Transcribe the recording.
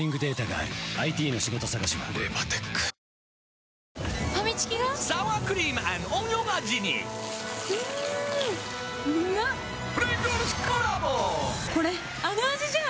あの味じゃん！